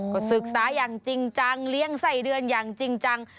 ก็ศึกษาอย่างจริงจังเลี้ยงไส้เดือนอย่างจริงจัง